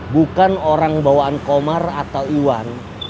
bukan orang bawaan komar atau iwan